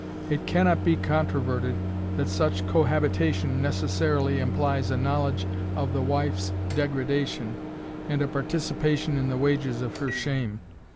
It can not be controverted that such cohabitation necessarily implies a knowledge of the wife's degradation, and a participation in the wages of her shame.